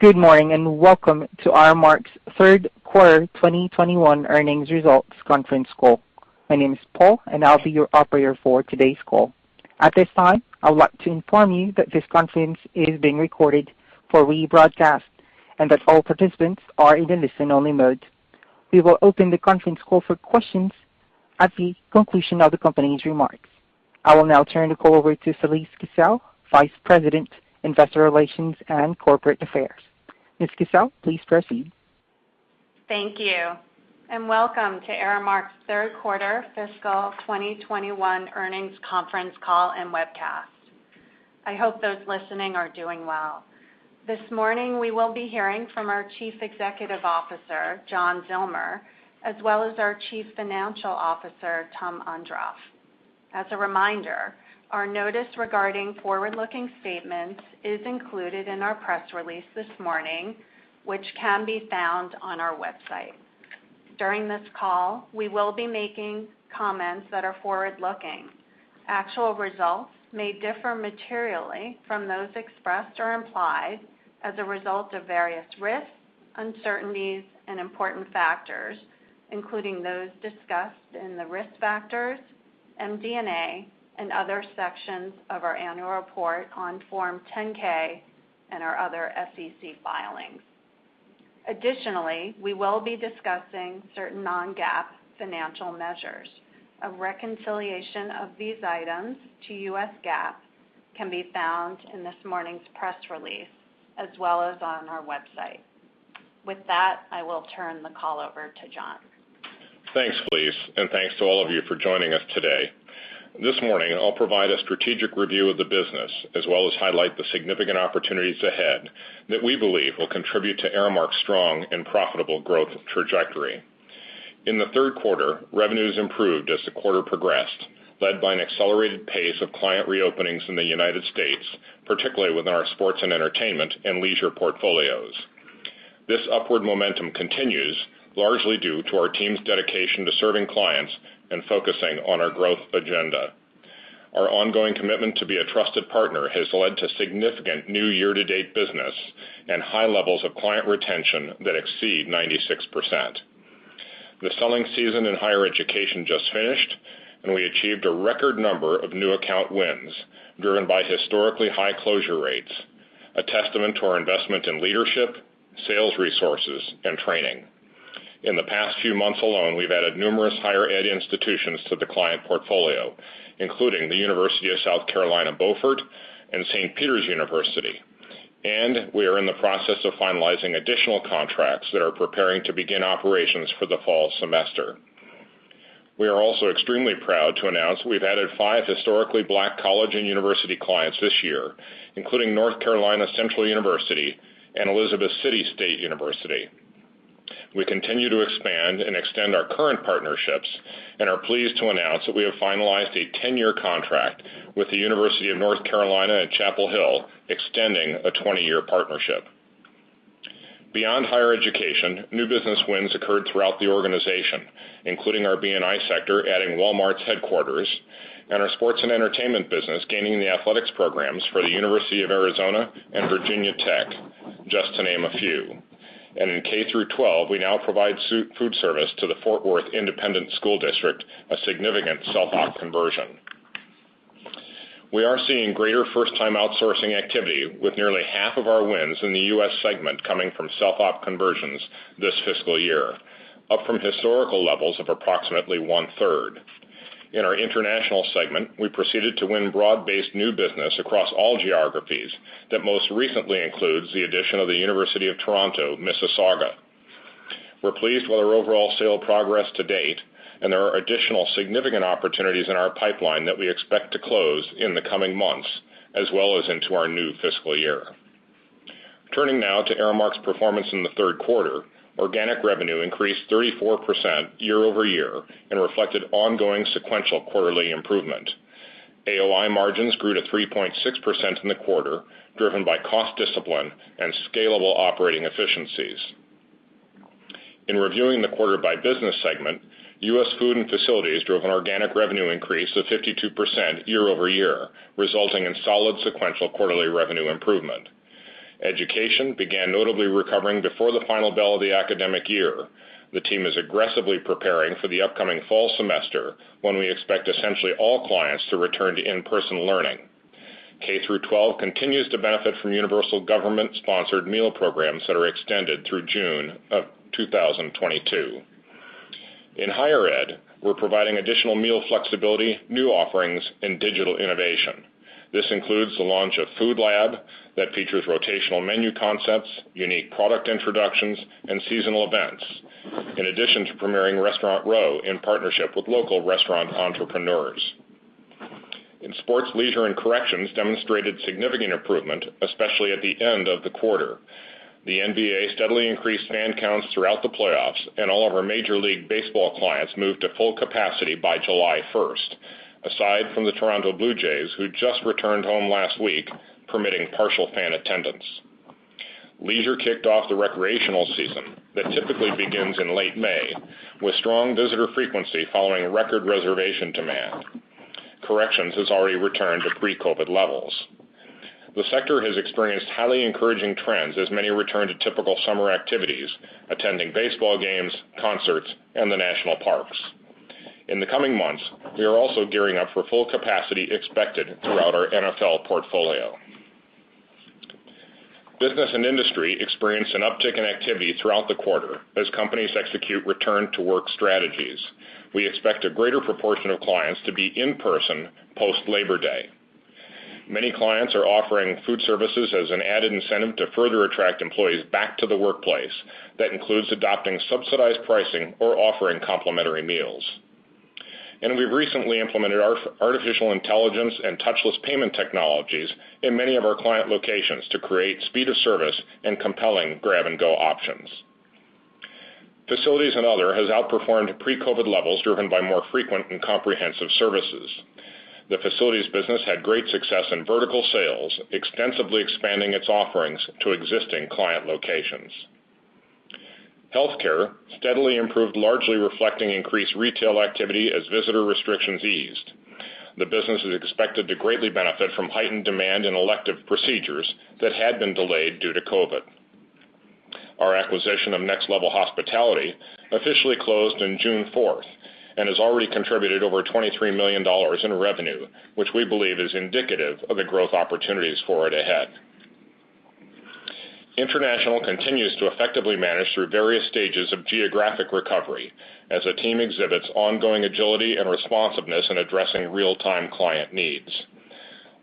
Good morning, welcome to Aramark's third quarter 2021 earnings results conference call. My name is Paul, and I'll be your operator for today's call. At this time, I would like to inform you that this conference is being recorded for rebroadcast, and that all participants are in a listen-only mode. We will open the conference call for questions at the conclusion of the company's remarks. I will now turn the call over to Felise Kissell, Vice President, Investor Relations and Corporate Affairs. Ms. Kissell, please proceed. Thank you, welcome to Aramark's third quarter fiscal 2021 earnings conference call and webcast. I hope those listening are doing well. This morning, we will be hearing from our Chief Executive Officer, John Zillmer, as well as our Chief Financial Officer, Tom Ondrof. As a reminder, our notice regarding forward-looking statements is included in our press release this morning, which can be found on our website. During this call, we will be making comments that are forward-looking. Actual results may differ materially from those expressed or implied as a result of various risks, uncertainties, and important factors, including those discussed in the risk factors, MD&A, and other sections of our annual report on Form 10-K and our other SEC filings. Additionally, we will be discussing certain non-GAAP financial measures. A reconciliation of these items to US GAAP can be found in this morning's press release, as well as on our website. With that, I will turn the call over to John. Thanks, Felise, and thanks to all of you for joining us today. This morning, I'll provide a strategic review of the business, as well as highlight the significant opportunities ahead that we believe will contribute to Aramark's strong and profitable growth trajectory. In the third quarter, revenues improved as the quarter progressed, led by an accelerated pace of client reopenings in the United States, particularly within our sports and entertainment and leisure portfolios. This upward momentum continues largely due to our team's dedication to serving clients and focusing on our growth agenda. Our ongoing commitment to be a trusted partner has led to significant new year-to-date business and high levels of client retention that exceed 96%. The selling season in higher education just finished, and we achieved a record number of new account wins, driven by historically high closure rates, a testament to our investment in leadership, sales resources, and training. In the past few months alone, we've added numerous higher ed institutions to the client portfolio, including the University of South Carolina Beaufort and St. Peter's University, and we are in the process of finalizing additional contracts that are preparing to begin operations for the fall semester. We are also extremely proud to announce we've added five historically Black college and university clients this year, including North Carolina Central University and Elizabeth City State University. We continue to expand and extend our current partnerships and are pleased to announce that we have finalized a 10-year contract with the University of North Carolina at Chapel Hill, extending a 20-year partnership. Beyond higher education, new business wins occurred throughout the organization, including our B&I sector, adding Walmart's headquarters, and our sports and entertainment business gaining the athletics programs for the University of Arizona and Virginia Tech, just to name a few. In K through 12, we now provide food service to the Fort Worth Independent School District, a significant self-op conversion. We are seeing greater first-time outsourcing activity with nearly half of our wins in the U.S. segment coming from self-op conversions this fiscal year, up from historical levels of approximately 1/3. In our international segment, we proceeded to win broad-based new business across all geographies that most recently includes the addition of the University of Toronto Mississauga. We're pleased with our overall sale progress to date, and there are additional significant opportunities in our pipeline that we expect to close in the coming months, as well as into our new fiscal year. Turning now to Aramark's performance in the third quarter, organic revenue increased 34% year-over-year and reflected ongoing sequential quarterly improvement. AOI margins grew to 3.6% in the quarter, driven by cost discipline and scalable operating efficiencies. In reviewing the quarter by business segment, U.S. food and facilities drove an organic revenue increase of 52% year-over-year, resulting in solid sequential quarterly revenue improvement. Education began notably recovering before the final bell of the academic year. The team is aggressively preparing for the upcoming fall semester, when we expect essentially all clients to return to in-person learning. K through 12 continues to benefit from universal government-sponsored meal programs that are extended through June of 2022. In higher ed, we're providing additional meal flexibility, new offerings, and digital innovation. This includes the launch of Food Lab that features rotational menu concepts, unique product introductions, and seasonal events. In addition to premiering Local Restaurant Row in partnership with local restaurant entrepreneurs. In sports, leisure, and corrections demonstrated significant improvement, especially at the end of the quarter. The NBA steadily increased fan counts throughout the playoffs, and all of our Major League Baseball clients moved to full capacity by July 1st. Aside from the Toronto Blue Jays, who just returned home last week, permitting partial fan attendance. Leisure kicked off the recreational season that typically begins in late May with strong visitor frequency following record reservation demand. Corrections has already returned to pre-COVID levels. The sector has experienced highly encouraging trends as many return to typical summer activities, attending baseball games, concerts, and the national parks. In the coming months, we are also gearing up for full capacity expected throughout our NFL portfolio. Business and industry experienced an uptick in activity throughout the quarter as companies execute return-to-work strategies. We expect a greater proportion of clients to be in-person post-Labor Day. Many clients are offering food services as an added incentive to further attract employees back to the workplace. That includes adopting subsidized pricing or offering complimentary meals. We've recently implemented artificial intelligence and touchless payment technologies in many of our client locations to create speed of service and compelling grab-and-go options. Facilities & Other has outperformed pre-COVID-19 levels, driven by more frequent and comprehensive services. The facilities business had great success in vertical sales, extensively expanding its offerings to existing client locations. Healthcare steadily improved, largely reflecting increased retail activity as visitor restrictions eased. The business is expected to greatly benefit from heightened demand in elective procedures that had been delayed due to COVID-19. Our acquisition of Next Level Hospitality officially closed on June 4th and has already contributed over $23 million in revenue, which we believe is indicative of the growth opportunities for it ahead. International continues to effectively manage through various stages of geographic recovery as the team exhibits ongoing agility and responsiveness in addressing real-time client needs.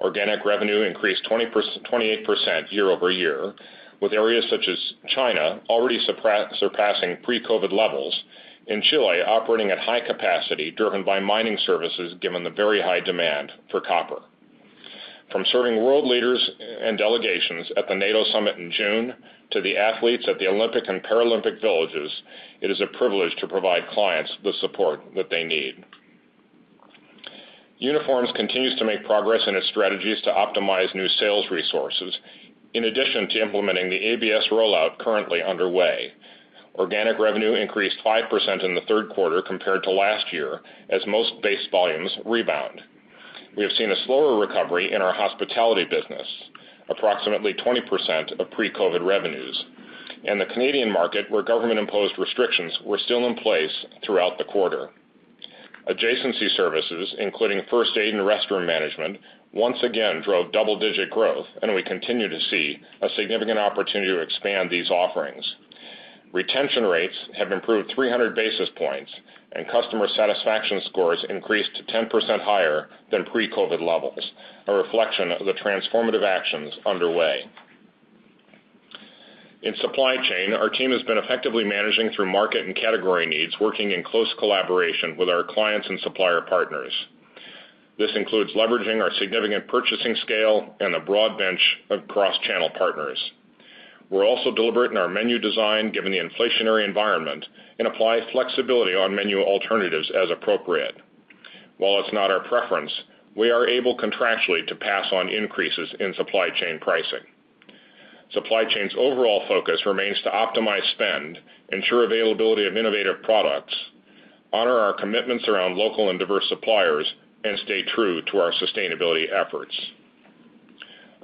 Organic revenue increased 28% year-over-year, with areas such as China already surpassing pre-COVID-19 levels, and Chile operating at high capacity driven by mining services given the very high demand for copper. From serving world leaders and delegations at the NATO Summit in June to the athletes at the Olympic and Paralympic villages, it is a privilege to provide clients the support that they need. Uniforms continues to make progress in its strategies to optimize new sales resources, in addition to implementing the ABS rollout currently underway. Organic revenue increased 5% in the third quarter compared to last year as most base volumes rebound. We have seen a slower recovery in our hospitality business, approximately 20% of pre-COVID-19 revenues, and the Canadian market, where government-imposed restrictions were still in place throughout the quarter. Adjacency services, including first aid and restroom management, once again drove double-digit growth, and we continue to see a significant opportunity to expand these offerings. Retention rates have improved 300 basis points, and customer satisfaction scores increased to 10% higher than pre-COVID levels, a reflection of the transformative actions underway. In supply chain, our team has been effectively managing through market and category needs, working in close collaboration with our clients and supplier partners. This includes leveraging our significant purchasing scale and a broad bench of cross-channel partners. We're also deliberate in our menu design, given the inflationary environment, and apply flexibility on menu alternatives as appropriate. While it's not our preference, we are able contractually to pass on increases in supply chain pricing. Supply chain's overall focus remains to optimize spend, ensure availability of innovative products, honor our commitments around local and diverse suppliers, and stay true to our sustainability efforts.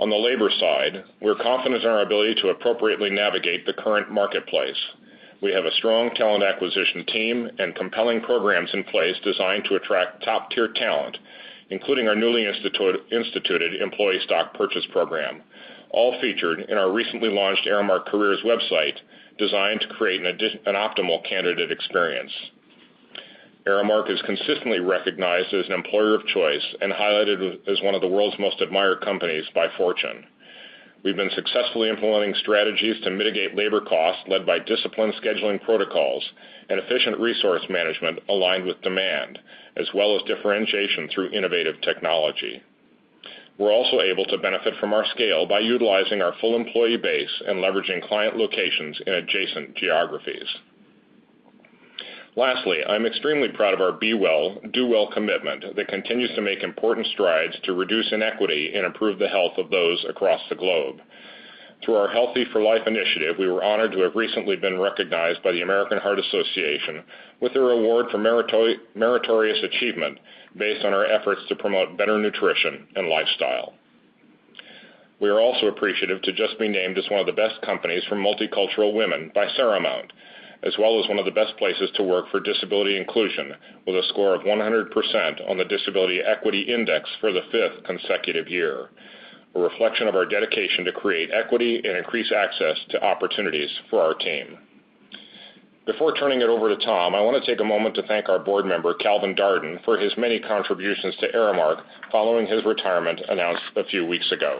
On the labor side, we're confident in our ability to appropriately navigate the current marketplace. We have a strong talent acquisition team and compelling programs in place designed to attract top-tier talent, including our newly instituted employee stock purchase program, all featured in our recently launched Aramark Careers website, designed to create an optimal candidate experience. Aramark is consistently recognized as an employer of choice and highlighted as one of the world's most admired companies by Fortune. We've been successfully implementing strategies to mitigate labor costs led by disciplined scheduling protocols and efficient resource management aligned with demand, as well as differentiation through innovative technology. We're also able to benefit from our scale by utilizing our full employee base and leveraging client locations in adjacent geographies. Lastly, I'm extremely proud of our Be Well. Do Well. commitment that continues to make important strides to reduce inequity and improve the health of those across the globe. Through our Healthy for Life Initiative, we were honored to have recently been recognized by the American Heart Association with a reward for meritorious achievement based on our efforts to promote better nutrition and lifestyle. We are also appreciative to just be named as one of the best companies for multicultural women by Seramount, as well as one of the best places to work for disability inclusion, with a score of 100% on the Disability Equality Index for the fifth consecutive year, a reflection of our dedication to create equity and increase access to opportunities for our team. Before turning it over to Tom, I want to take a moment to thank our board member, Calvin Darden, for his many contributions to Aramark following his retirement announced a few weeks ago.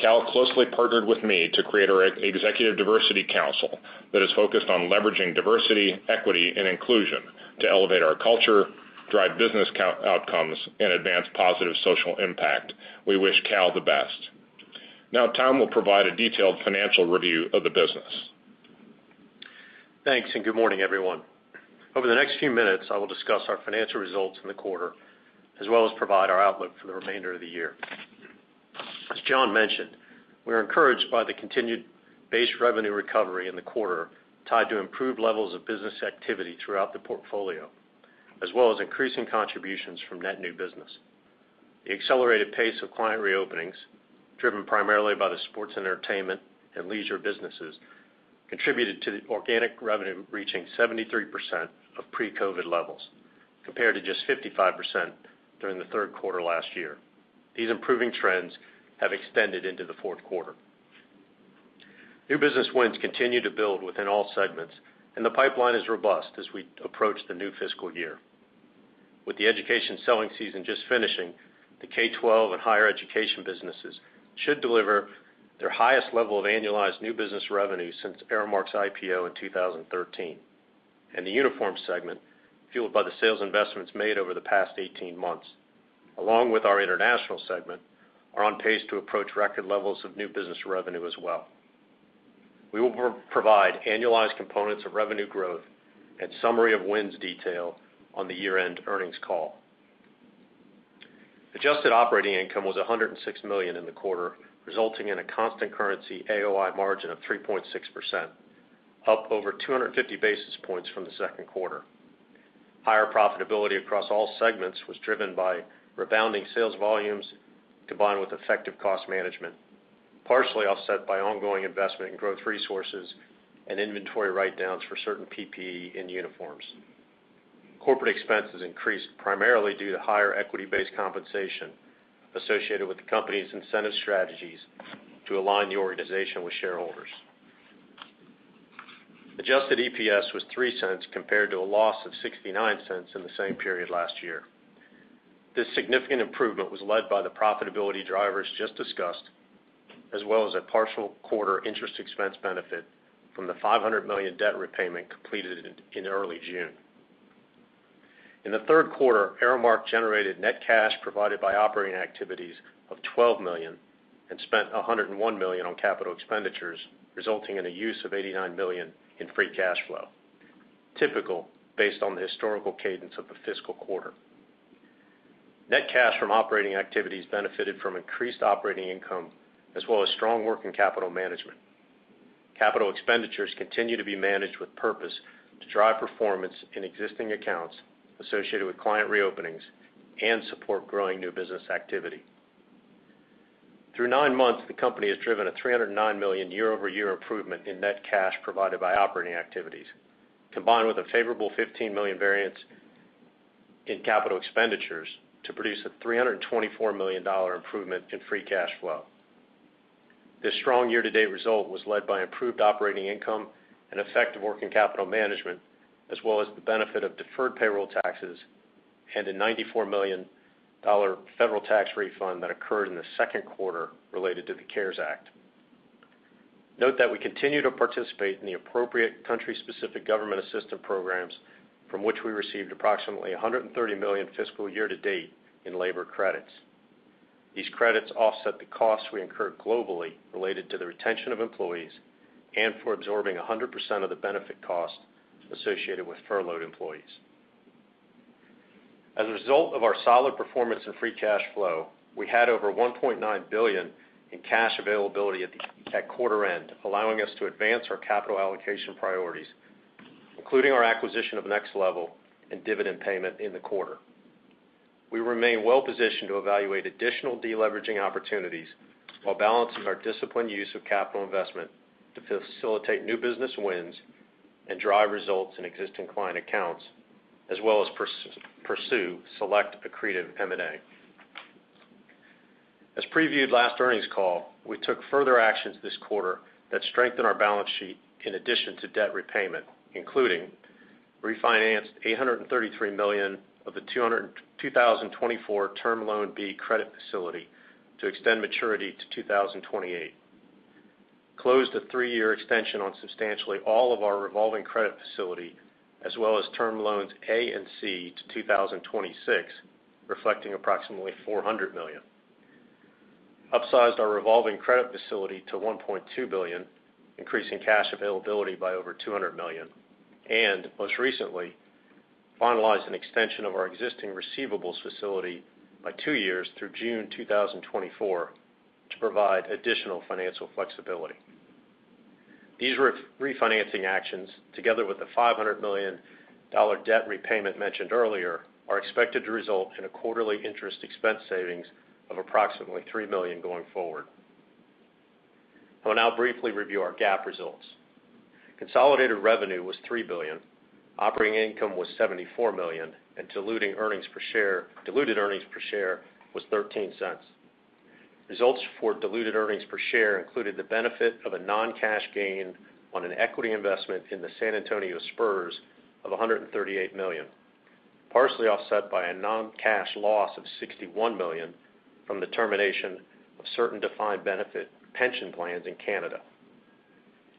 Cal closely partnered with me to create our Executive Diversity Council that is focused on leveraging diversity, equity, and inclusion to elevate our culture, drive business outcomes, and advance positive social impact. We wish Cal the best. Now, Tom will provide a detailed financial review of the business. Thanks. Good morning, everyone. Over the next few minutes, I will discuss our financial results in the quarter, as well as provide our outlook for the remainder of the year. As John mentioned, we are encouraged by the continued base revenue recovery in the quarter tied to improved levels of business activity throughout the portfolio, as well as increasing contributions from net new business. The accelerated pace of client reopenings, driven primarily by the sports, entertainment, and leisure businesses, contributed to the organic revenue reaching 73% of pre-COVID-19 levels, compared to just 55% during the third quarter last year. These improving trends have extended into the fourth quarter. New business wins continue to build within all segments, and the pipeline is robust as we approach the new fiscal year. With the education selling season just finishing, the K-12 and higher education businesses should deliver their highest level of annualized new business revenue since Aramark's IPO in 2013. The uniform segment, fueled by the sales investments made over the past 18 months, along with our international segment, are on pace to approach record levels of new business revenue as well. We will provide annualized components of revenue growth and summary of wins detail on the year-end earnings call. Adjusted operating income was $106 million in the quarter, resulting in a constant currency AOI margin of 3.6%, up over 250 basis points from the second quarter. Higher profitability across all segments was driven by rebounding sales volumes combined with effective cost management, partially offset by ongoing investment in growth resources and inventory write-downs for certain PPE in uniforms. Corporate expenses increased primarily due to higher equity-based compensation associated with the company's incentive strategies to align the organization with shareholders. Adjusted EPS was $0.03 compared to a loss of $0.69 in the same period last year. This significant improvement was led by the profitability drivers just discussed, as well as a partial quarter interest expense benefit from the $500 million debt repayment completed in early June. In the third quarter, Aramark generated net cash provided by operating activities of $12 million and spent $101 million on capital expenditures, resulting in a use of $89 million in free cash flow, typical based on the historical cadence of the fiscal quarter. Net cash from operating activities benefited from increased operating income as well as strong working capital management. Capital expenditures continue to be managed with purpose to drive performance in existing accounts associated with client reopenings and support growing new business activity. Through nine months, the company has driven a $309 million year-over-year improvement in net cash provided by operating activities, combined with a favorable $15 million variance in capital expenditures to produce a $324 million improvement in free cash flow. This strong year-to-date result was led by improved operating income and effective working capital management, as well as the benefit of deferred payroll taxes and a $94 million federal tax refund that occurred in the second quarter related to the CARES Act. Note that we continue to participate in the appropriate country-specific government assistance programs from which we received approximately $130 million fiscal year-to-date in labor credits. These credits offset the costs we incur globally related to the retention of employees and for absorbing 100% of the benefit costs associated with furloughed employees. As a result of our solid performance and free cash flow, we had over $1.9 billion in cash availability at quarter end, allowing us to advance our capital allocation priorities, including our acquisition of Next Level and dividend payment in the quarter. We remain well positioned to evaluate additional de-leveraging opportunities while balancing our disciplined use of capital investment to facilitate new business wins and drive results in existing client accounts, as well as pursue select accretive M&A. As previewed last earnings call, we took further actions this quarter that strengthen our balance sheet in addition to debt repayment, including refinanced $833 million of the 2024 Term Loan B credit facility to extend maturity to 2028, closed a three-year extension on substantially all of our revolving credit facility, as well as Term Loans A and C to 2026, reflecting approximately $400 million, upsized our revolving credit facility to $1.2 billion, increasing cash availability by over $200 million, and most recently, finalized an extension of our existing receivables facility by two years through June 2024 to provide additional financial flexibility. These refinancing actions, together with the $500 million debt repayment mentioned earlier, are expected to result in a quarterly interest expense savings of approximately $3 million going forward. I will now briefly review our GAAP results. Consolidated revenue was $3 billion, operating income was $74 million, and diluted earnings per share was $0.13. Results for diluted earnings per share included the benefit of a non-cash gain on an equity investment in the San Antonio Spurs of $138 million, partially offset by a non-cash loss of $61 million from the termination of certain defined benefit pension plans in Canada.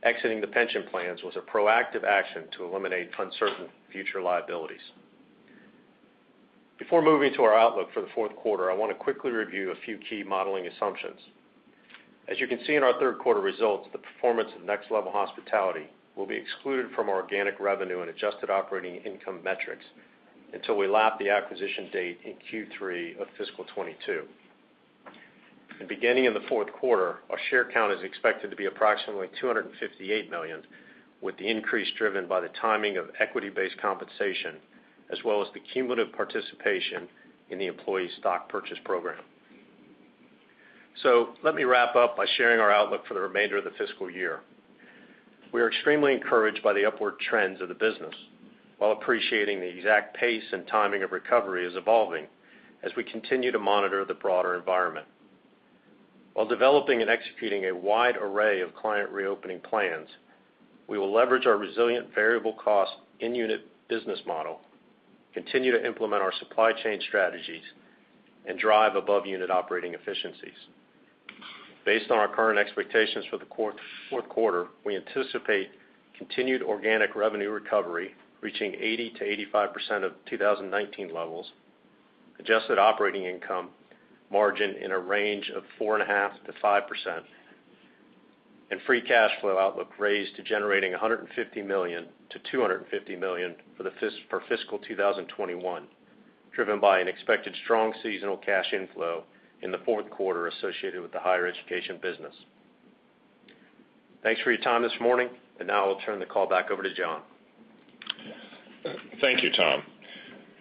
Exiting the pension plans was a proactive action to eliminate uncertain future liabilities. Before moving to our outlook for the fourth quarter, I want to quickly review a few key modeling assumptions. As you can see in our third quarter results, the performance of Next Level Hospitality will be excluded from our organic revenue and adjusted operating income metrics until we lap the acquisition date in Q3 of fiscal 2022. Beginning in the fourth quarter, our share count is expected to be approximately 258 million, with the increase driven by the timing of equity-based compensation, as well as the cumulative participation in the employee stock purchase program. Let me wrap up by sharing our outlook for the remainder of the fiscal year. We are extremely encouraged by the upward trends of the business, while appreciating the exact pace and timing of recovery is evolving as we continue to monitor the broader environment. While developing and executing a wide array of client reopening plans, we will leverage our resilient variable cost in-unit business model, continue to implement our supply chain strategies, and drive above-unit operating efficiencies. Based on our current expectations for the fourth quarter, we anticipate continued organic revenue recovery, reaching 80%-85% of 2019 levels, adjusted operating income margin in a range of 4.5%-5%, and free cash flow outlook raised to generating $150 million-$250 million for fiscal 2021, driven by an expected strong seasonal cash inflow in the fourth quarter associated with the higher education business. Thanks for your time this morning. Now I'll turn the call back over to John. Thank you, Tom.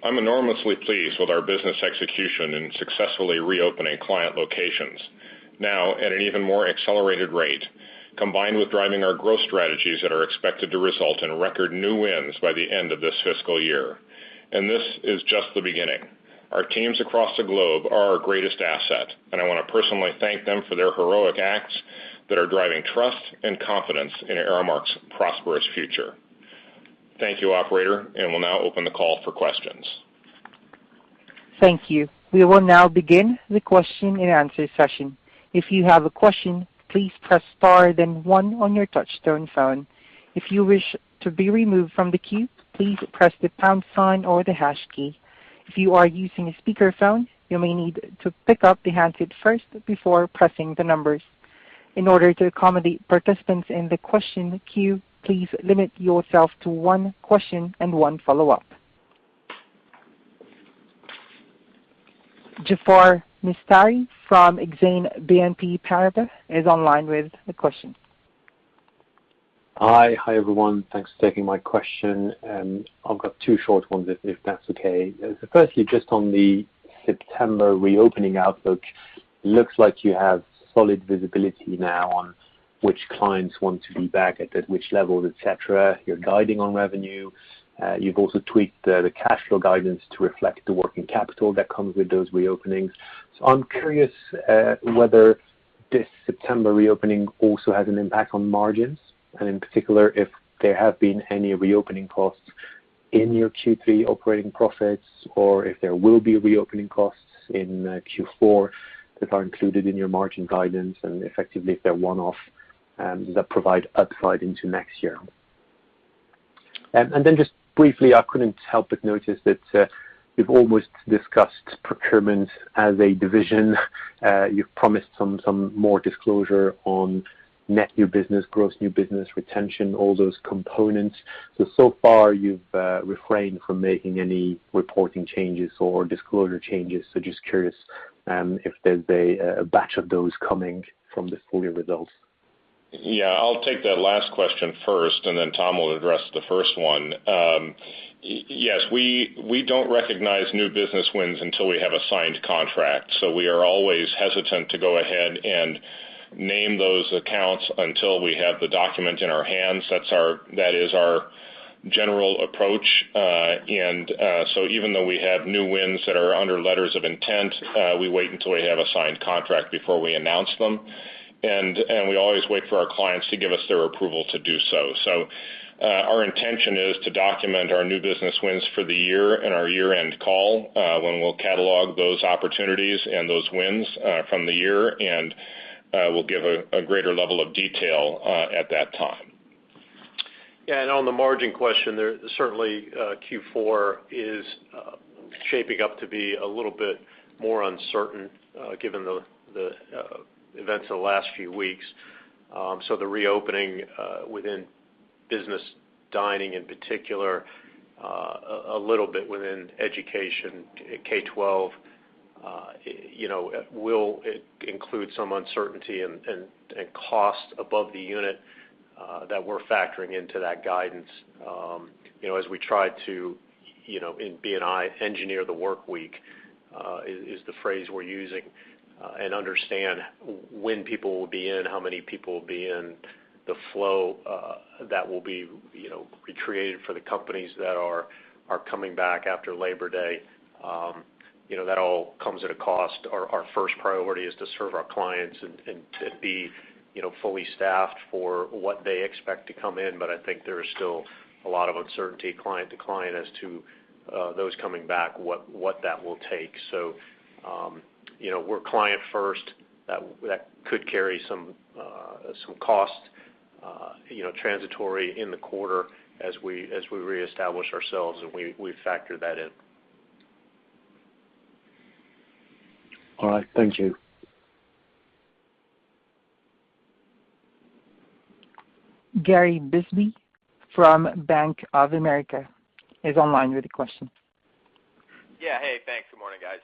I'm enormously pleased with our business execution in successfully reopening client locations, now at an even more accelerated rate, combined with driving our growth strategies that are expected to result in record new wins by the end of this fiscal year. This is just the beginning. Our teams across the globe are our greatest asset, and I want to personally thank them for their heroic acts that are driving trust and confidence in Aramark's prosperous future. Thank you, operator, and we'll now open the call for questions. Thank you. We will now begin the question and answer session. Jaafar Mestari from Exane BNP Paribas is online with a question. Hi. Hi, everyone. Thanks for taking my question. I've got two short ones if that's okay. Firstly, just on the September reopening outlook, looks like you have solid visibility now on which clients want to be back at which levels, et cetera. You're guiding on revenue. You've also tweaked the cash flow guidance to reflect the working capital that comes with those reopenings. I'm curious whether this September reopening also has an impact on margins, and in particular, if there have been any reopening costs in your Q3 operating profits, or if there will be reopening costs in Q4 that are included in your margin guidance, and effectively, if they're one-off that provide upside into next year. Then just briefly, I couldn't help but notice that you've almost discussed procurement as a division. You've promised some more disclosure on net new business, gross new business, retention, all those components. So far you've refrained from making any reporting changes or disclosure changes. Just curious if there's a batch of those coming from the full year results. I'll take that last question first. Then Tom will address the first one. We don't recognize new business wins until we have a signed contract. We are always hesitant to go ahead and name those accounts until we have the document in our hands. That is our general approach. Even though we have new wins that are under letters of intent, we wait until we have a signed contract before we announce them. We always wait for our clients to give us their approval to do so. Our intention is to document our new business wins for the year in our year-end call, when we'll catalog those opportunities and those wins from the year, and we'll give a greater level of detail at that time. On the margin question there, certainly Q4 is shaping up to be a little bit more uncertain given the events of the last few weeks. The reopening within business dining in particular, a little bit within education, K-12, will include some uncertainty and cost above the unit that we're factoring into that guidance. As we try to, in B&I, engineer the work week, is the phrase we're using, and understand when people will be in, how many people will be in, the flow that will be created for the companies that are coming back after Labor Day. That all comes at a cost. Our first priority is to serve our clients and to be fully staffed for what they expect to come in. I think there is still a lot of uncertainty client to client as to those coming back, what that will take. We're client first. That could carry some cost transitory in the quarter as we reestablish ourselves, and we factor that in. All right. Thank you. Gary Bisbee from Bank of America is online with a question. Yeah. Hey, thanks. Good morning, guys.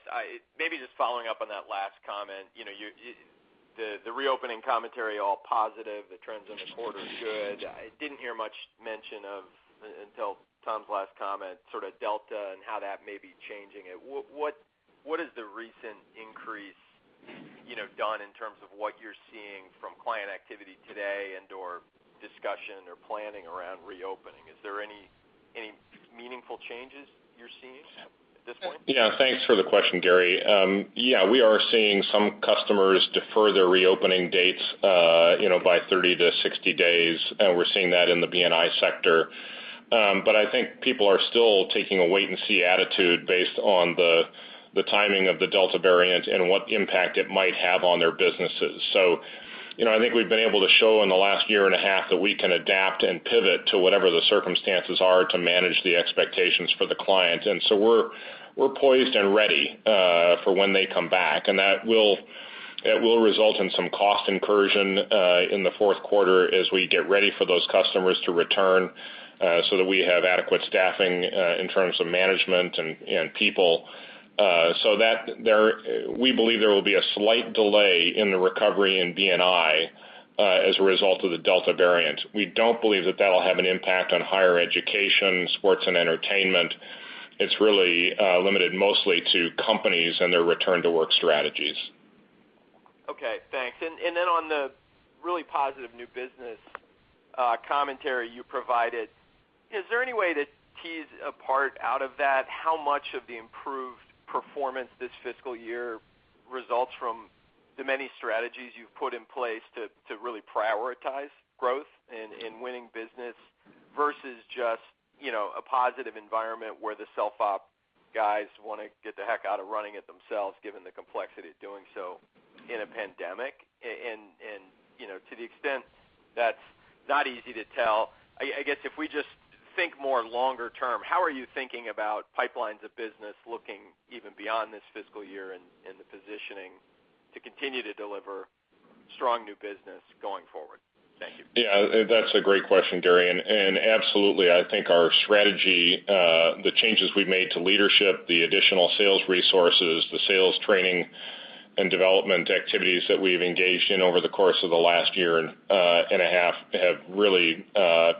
Maybe just following up on that last comment. The reopening commentary, all positive, the trends in the quarter are good. I didn't hear much mention of, until Tom's last comment, sort of Delta and how that may be changing it. What has the recent increase done in terms of what you're seeing from client activity today and/or discussion or planning around reopening? Is there any meaningful changes you're seeing at this point? Yeah. Thanks for the question, Gary. We are seeing some customers defer their reopening dates by 30 to 60 days. We're seeing that in the B&I sector. I think people are still taking a wait and see attitude based on the timing of the Delta variant and what impact it might have on their businesses. I think we've been able to show in the last year and a half that we can adapt and pivot to whatever the circumstances are to manage the expectations for the client. We're poised and ready for when they come back, and that will result in some cost incursion in the fourth quarter as we get ready for those customers to return so that we have adequate staffing in terms of management and people. We believe there will be a slight delay in the recovery in B&I as a result of the Delta variant. We don't believe that'll have an impact on higher education, sports, and entertainment. It's really limited mostly to companies and their return to work strategies. Okay, thanks. On the really positive new business commentary you provided, is there any way to tease a part out of that how much of the improved performance this fiscal year results from the many strategies you've put in place to really prioritize growth and winning business versus just a positive environment where the self-op guys want to get the heck out of running it themselves, given the complexity of doing so in a pandemic? To the extent that's not easy to tell, I guess if we just think more longer term, how are you thinking about pipelines of business looking even beyond this fiscal year and the positioning to continue to deliver strong new business going forward? Thank you. Yeah, that's a great question, Gary. Absolutely, I think our strategy, the changes we've made to leadership, the additional sales resources, the sales training and development activities that we've engaged in over the course of the last year and a half have really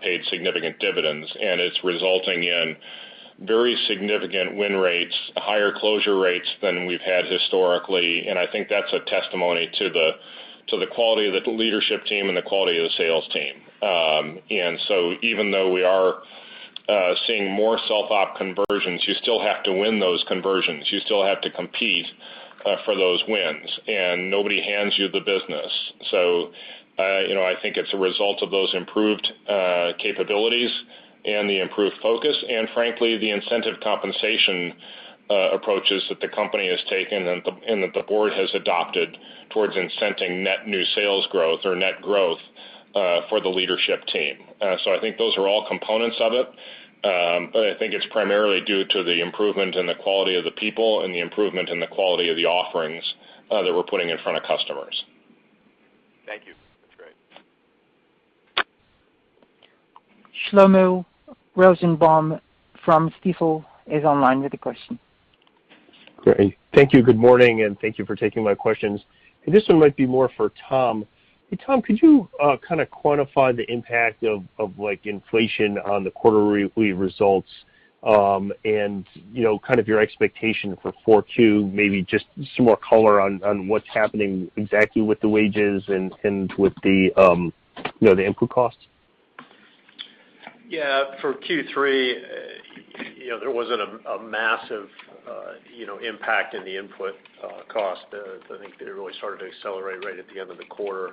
paid significant dividends, and it's resulting in very significant win rates, higher closure rates than we've had historically. I think that's a testimony to the quality of the leadership team and the quality of the sales team. Even though we are seeing more self-op conversions, you still have to win those conversions. You still have to compete for those wins, and nobody hands you the business. I think it's a result of those improved capabilities and the improved focus, and frankly, the incentive compensation approaches that the company has taken and that the board has adopted towards incenting net new sales growth or net growth for the leadership team. I think those are all components of it. I think it's primarily due to the improvement in the quality of the people and the improvement in the quality of the offerings that we're putting in front of customers. Thank you. That's great. Shlomo Rosenbaum from Stifel is online with a question. Great. Thank you. Good morning, and thank you for taking my questions. This one might be more for Tom. Hey, Tom, could you kind of quantify the impact of inflation on the quarterly results? Kind of your expectation for 4Q, maybe just some more color on what's happening exactly with the wages and with the input costs? For Q3, there wasn't a massive impact in the input cost. I think that it really started to accelerate right at the end of the quarter.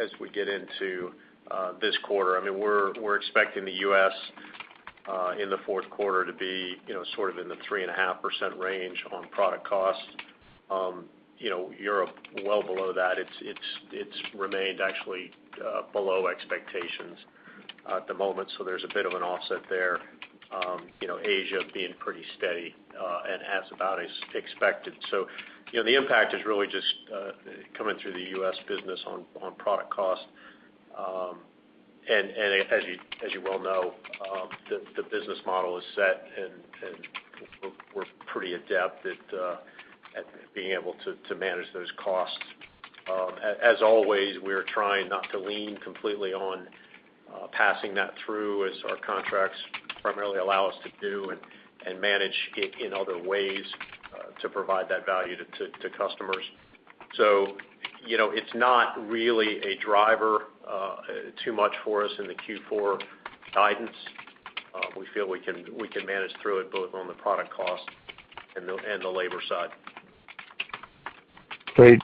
As we get into this quarter, we're expecting the U.S. in the fourth quarter to be sort of in the 3.5% range on product cost. Europe, well below that. It's remained actually below expectations at the moment, so there's a bit of an offset there. Asia being pretty steady and as about as expected. The impact is really just coming through the U.S. business on product cost. As you well know, the business model is set, and we're pretty adept at being able to manage those costs. As always, we are trying not to lean completely on passing that through as our contracts primarily allow us to do and manage it in other ways to provide that value to customers. It's not really a driver too much for us in the Q4 guidance. We feel we can manage through it both on the product cost and the labor side. Great.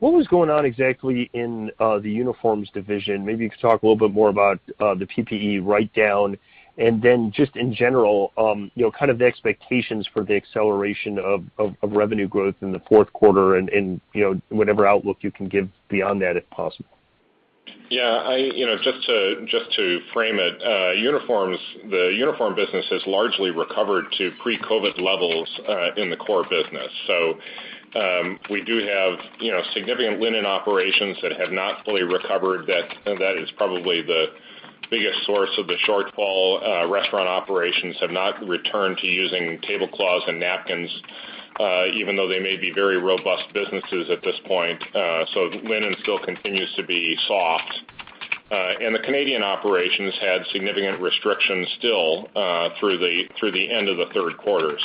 What was going on exactly in the uniforms division? Maybe you could talk a little bit more about the PPE write-down and then just in general, kind of the expectations for the acceleration of revenue growth in the fourth quarter and whatever outlook you can give beyond that, if possible. Just to frame it, the uniform business has largely recovered to pre-COVID levels in the core business. We do have significant linen operations that have not fully recovered, that is probably the biggest source of the shortfall. Restaurant operations have not returned to using tablecloths and napkins, even though they may be very robust businesses at this point. Linen still continues to be soft. The Canadian operations had significant restrictions still through the end of the third quarter.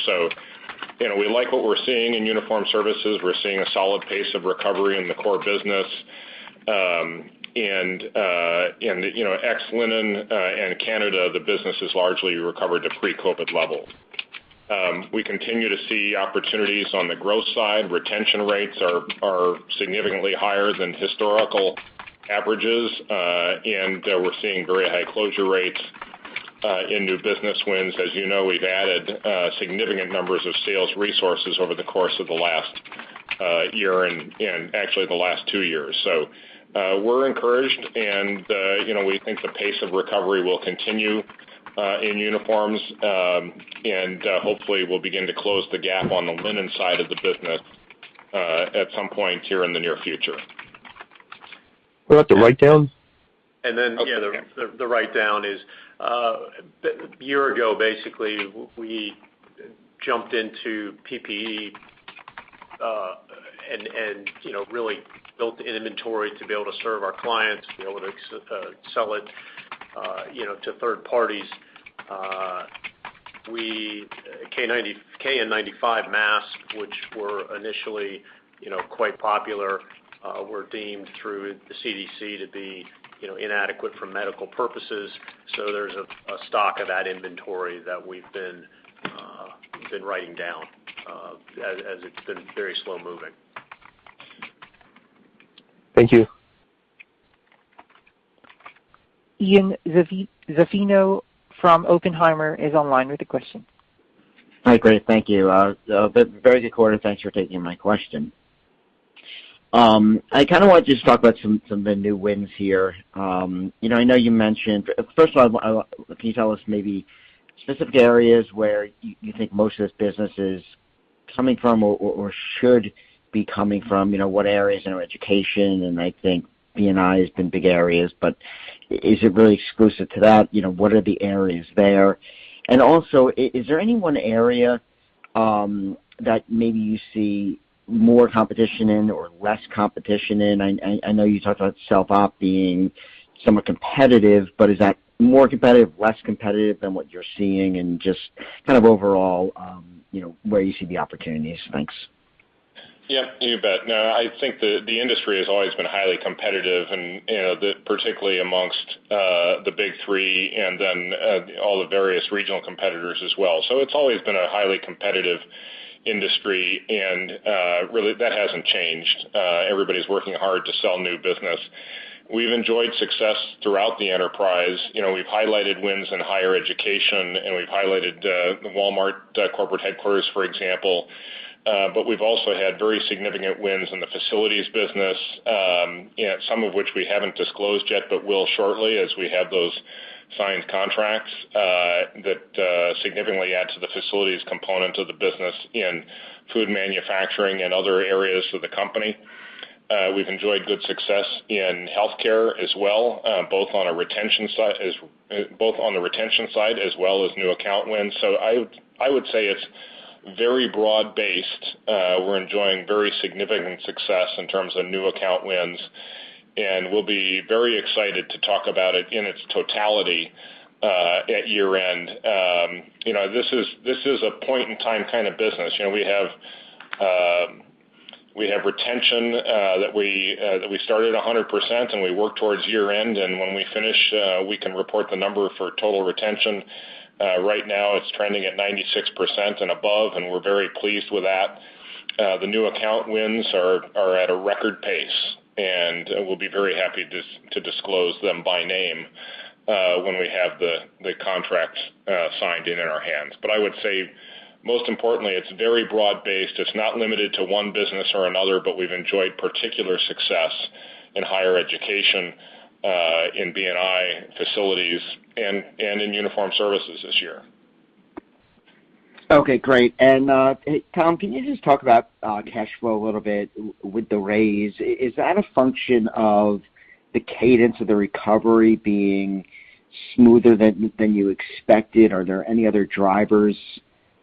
We like what we're seeing in uniform services. We're seeing a solid pace of recovery in the core business. Ex-linen and Canada, the business has largely recovered to pre-COVID levels. We continue to see opportunities on the growth side. Retention rates are significantly higher than historical averages. We're seeing very high closure rates in new business wins. As you know, we've added significant numbers of sales resources over the course of the last year, and actually the last two years. We're encouraged, and we think the pace of recovery will continue in uniforms. Hopefully we'll begin to close the gap on the linen side of the business at some point here in the near future. What about the write-down? The write-down is, a year ago, we jumped into PPE, and really built the inventory to be able to serve our clients, to be able to sell it to third parties. KN95 masks, which were initially quite popular, were deemed through the CDC to be inadequate for medical purposes. There's a stock of that inventory that we've been writing down, as it's been very slow moving. Thank you. Ian Zaffino from Oppenheimer is online with a question. Hi, great. Thank you. Very good quarter. Thanks for taking my question. I kind of wanted you to talk about some of the new wins here. First of all, can you tell us maybe specific areas where you think most of this business is coming from or should be coming from? What areas in our education, I think B&I has been big areas, but is it really exclusive to that? What are the areas there? Also, is there any one area that maybe you see more competition in or less competition in? I know you talked about self-op being somewhat competitive, but is that more competitive, less competitive than what you're seeing? Just kind of overall where you see the opportunities. Thanks. Yeah, you bet. I think the industry has always been highly competitive and particularly amongst the big three and all the various regional competitors as well. It's always been a highly competitive industry, and really that hasn't changed. Everybody's working hard to sell new business. We've enjoyed success throughout the enterprise. We've highlighted wins in higher education, and we've highlighted the Walmart corporate headquarters, for example. We've also had very significant wins in the facilities business, some of which we haven't disclosed yet, but will shortly as we have those signed contracts, that significantly add to the facilities component of the business in food manufacturing and other areas of the company. We've enjoyed good success in healthcare as well, both on the retention side as well as new account wins. I would say it's very broad-based. We're enjoying very significant success in terms of new account wins. We'll be very excited to talk about it in its totality at year end. This is a point in time kind of business. We have retention that we started 100%, and we work towards year end. When we finish, we can report the number for total retention. Right now it's trending at 96% and above, and we're very pleased with that. The new account wins are at a record pace, and we'll be very happy to disclose them by name when we have the contracts signed and in our hands. I would say, most importantly, it's very broad based. It's not limited to one business or another, but we've enjoyed particular success in higher education, in B&I facilities, and in uniform services this year. Okay, great. Tom, can you just talk about cash flow a little bit with the raise? Is that a function of the cadence of the recovery being smoother than you expected? Are there any other drivers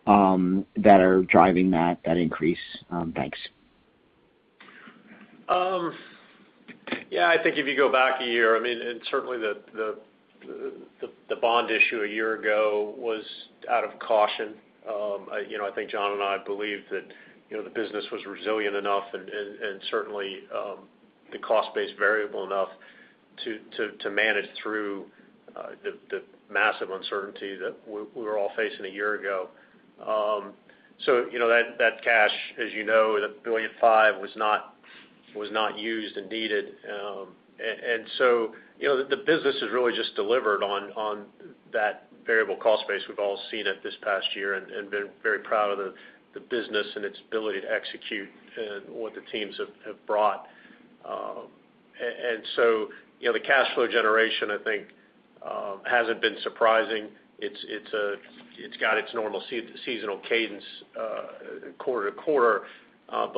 that are driving that increase? Thanks. I think if you go back a year, and certainly the bond issue a year ago was out of caution. I think John and I believed that the business was resilient enough, and certainly the cost base variable enough to manage through the massive uncertainty that we were all facing a year ago. That cash, as you know, the $1.5 billion was not used and needed. The business has really just delivered on that variable cost base. We've all seen it this past year and been very proud of the business and its ability to execute and what the teams have brought. The cash flow generation, I think, hasn't been surprising. It's got its normal seasonal cadence quarter to quarter.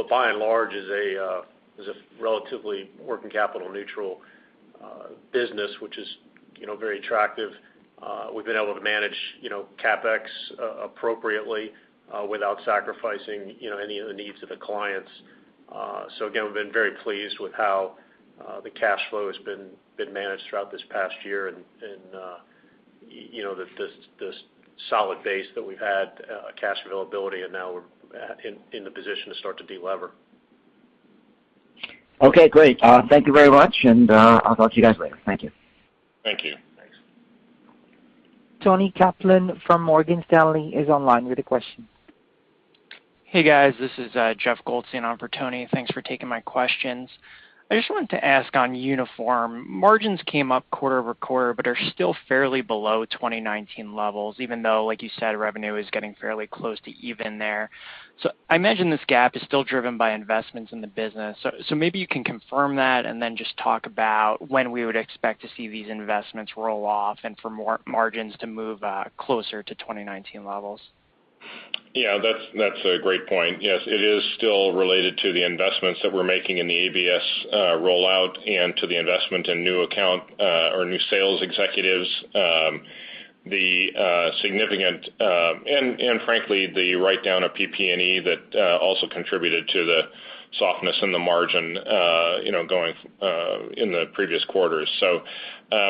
By and large, is a relatively working capital neutral business, which is very attractive. We've been able to manage CapEx appropriately without sacrificing any of the needs of the clients. Again, we've been very pleased with how the cash flow has been managed throughout this past year and the solid base that we've had cash availability, and now we're in the position to start to de-lever. Okay, great. Thank you very much, and I'll talk to you guys later. Thank you. Thank you. Toni Kaplan from Morgan Stanley is online with a question. Hey, guys. This is Jeff Goldstein on for Toni. Thanks for taking my questions. I just wanted to ask on Uniform. Margins came up quarter-over-quarter, but are still fairly below 2019 levels, even though, like you said, revenue is getting fairly close to even there. I imagine this gap is still driven by investments in the business. Maybe you can confirm that and then just talk about when we would expect to see these investments roll off and for more margins to move back closer to 2019 levels. Yeah, that's a great point. Yes. It is still related to the investments that we're making in the ABS rollout and to the investment in new account or new sales executives. The significant and frankly, the write-down of PP&E that also contributed to the softness in the margin, going in the previous quarters.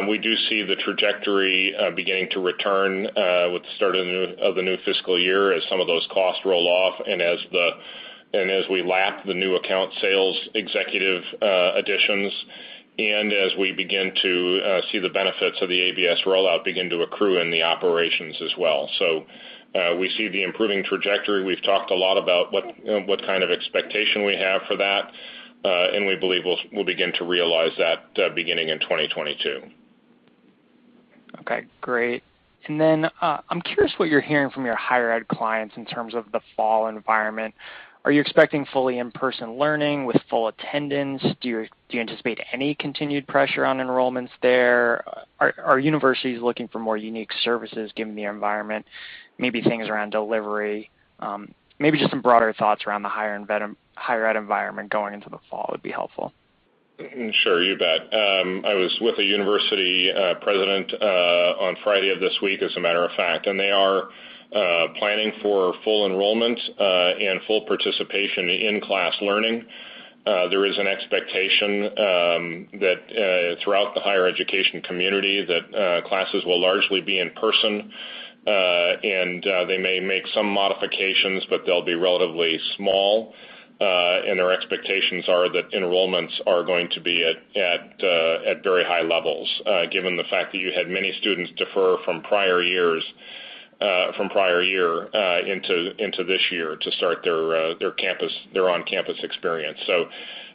We do see the trajectory beginning to return with the start of the new fiscal year as some of those costs roll off and as we lap the new account sales executive additions, and as we begin to see the benefits of the ABS rollout begin to accrue in the operations as well. We see the improving trajectory. We've talked a lot about what kind of expectation we have for that. We believe we'll begin to realize that beginning in 2022. Okay, great. I'm curious what you're hearing from your higher ed clients in terms of the fall environment. Are you expecting fully in-person learning with full attendance? Do you anticipate any continued pressure on enrollments there? Are universities looking for more unique services given the environment, maybe things around delivery? Maybe just some broader thoughts around the higher ed environment going into the fall would be helpful. Sure. You bet. I was with a university president on Friday of this week, as a matter of fact, and they are planning for full enrollment and full participation in in-class learning. There is an expectation that throughout the higher education community that classes will largely be in person. They may make some modifications, but they'll be relatively small. Their expectations are that enrollments are going to be at very high levels, given the fact that you had many students defer from prior year into this year to start their on-campus experience.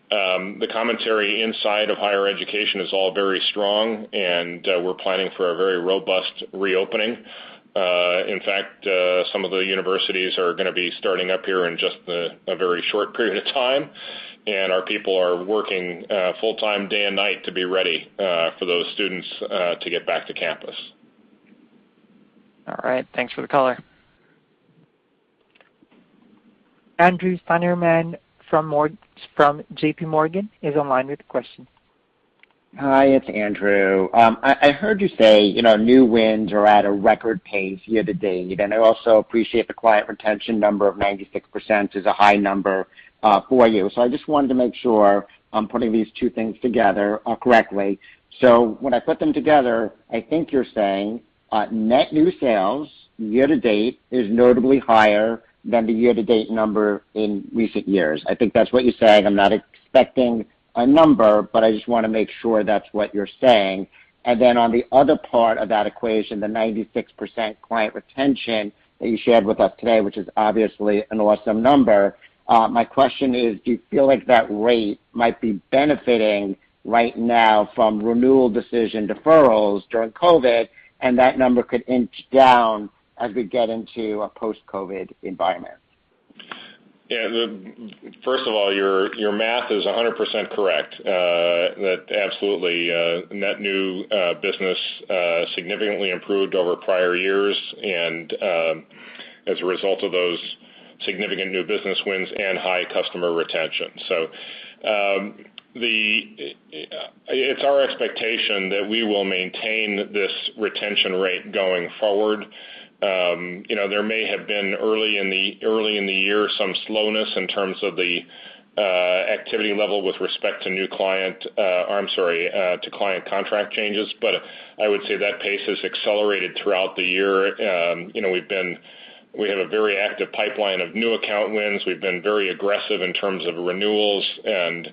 The commentary inside of higher education is all very strong, and we're planning for a very robust reopening. Some of the universities are going to be starting up here in just a very short period of time, and our people are working full time, day and night to be ready for those students to get back to campus. All right. Thanks for the color. Andrew Steinerman from JPMorgan is online with a question. Hi, it's Andrew. I heard you say new wins are at a record pace year to date, and I also appreciate the client retention number of 96% is a high number for you. I just wanted to make sure I'm putting these two things together correctly. When I put them together, I think you're saying net new sales year to date is notably higher than the year to date number in recent years. I think that's what you're saying. I'm not expecting a number, but I just want to make sure that's what you're saying. On the other part of that equation, the 96% client retention that you shared with us today, which is obviously an awesome number. My question is, do you feel like that rate might be benefiting right now from renewal decision deferrals during COVID, and that number could inch down as we get into a post-COVID environment? Yeah. First of all, your math is 100% correct. Absolutely net new business significantly improved over prior years and as a result of those significant new business wins and high customer retention. It's our expectation that we will maintain this retention rate going forward. There may have been early in the year some slowness in terms of the activity level with respect to new client I'm sorry, to client contract changes, but I would say that pace has accelerated throughout the year. We have a very active pipeline of new account wins. We've been very aggressive in terms of renewals and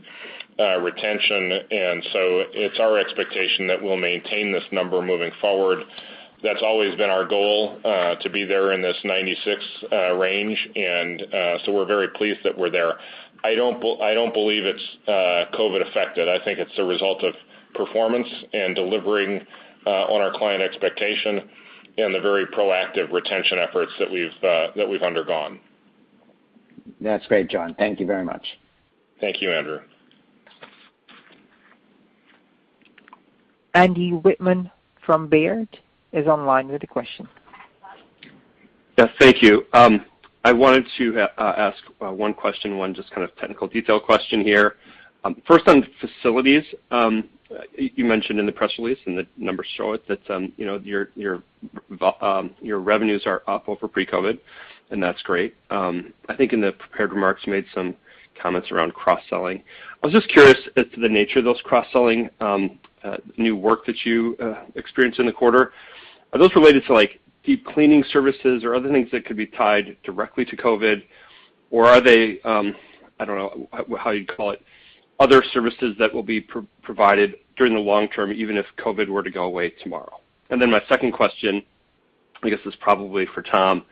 retention, it's our expectation that we'll maintain this number moving forward. That's always been our goal to be there in this 96 range, we're very pleased that we're there. I don't believe it's COVID affected. I think it's a result of performance and delivering on our client expectation and the very proactive retention efforts that we've undergone. That's great, John. Thank you very much. Thank you, Andrew. Andrew Wittmann from Baird is online with a question. Thank you. I wanted to ask one question, one just kind of technical detail question here. First on facilities. You mentioned in the press release, and the numbers show it, that your revenues are up over pre-COVID, and that's great. I think in the prepared remarks, you made some comments around cross-selling. I was just curious as to the nature of those cross-selling new work that you experienced in the quarter. Are those related to deep cleaning services or other things that could be tied directly to COVID-19? Are they, I don't know how you'd call it, other services that will be provided during the long term, even if COVID-19 were to go away tomorrow? My second question, I guess this is probably for Tom.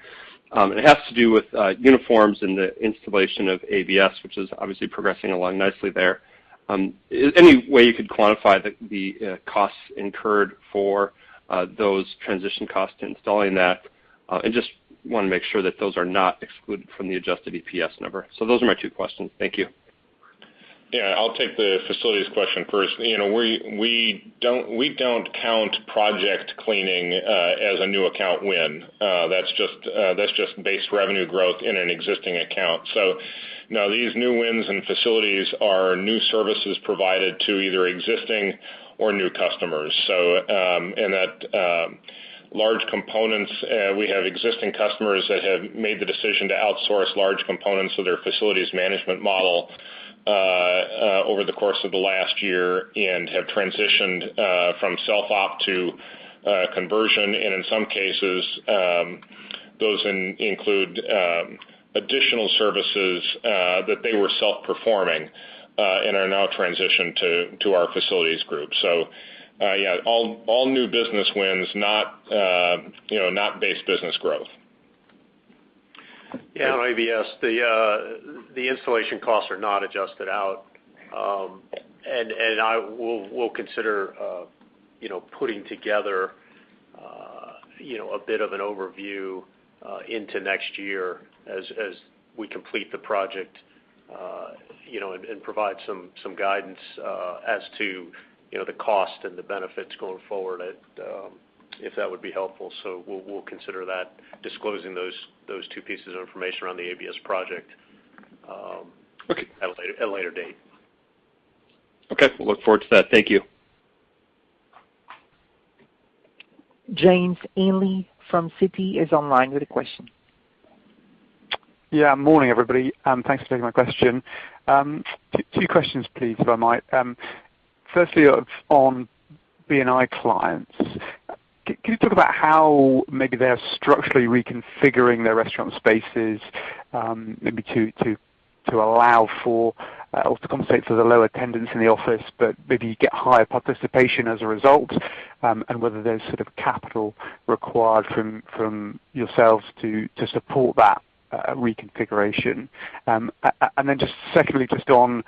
It has to do with uniforms and the installation of ABS, which is obviously progressing along nicely there. Any way you could quantify the costs incurred for those transition costs to installing that, and just want to make sure that those are not excluded from the adjusted EPS number. Those are my two questions. Thank you. I'll take the facilities question first. We don't count project cleaning as a new account win. That's just base revenue growth in an existing account. No, these new wins and facilities are new services provided to either existing or new customers. In that large components, we have existing customers that have made the decision to outsource large components of their facilities management model over the course of the last year and have transitioned from self-op to conversion, and in some cases, those include additional services that they were self-performing, and are now transitioned to our facilities group. All new business wins, not base business growth. Yeah, on ABS, the installation costs are not adjusted out. I will consider putting together a bit of an overview into next year as we complete the project, and provide some guidance as to the cost and the benefits going forward if that would be helpful. We'll consider that disclosing those two pieces of information around the ABS project. Okay at a later date. Okay. We'll look forward to that. Thank you. James Ainley from Citi is online with a question. Morning, everybody. Thanks for taking my question. Two questions, please, if I might. Firstly on B&I clients. Can you talk about how maybe they're structurally reconfiguring their restaurant spaces, maybe to allow for, or to compensate for the low attendance in the office, but maybe you get higher participation as a result, and whether there's sort of capital required from yourselves to support that reconfiguration? Secondly, just on